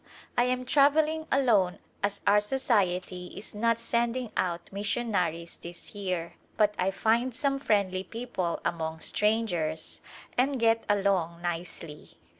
I am travelling alone as our Society is not sending out missionaries this year, but I find some friendly people among strangers and get along nicely.